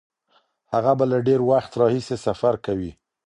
هغه به له ډیر وخت راهیسې سفر کوي.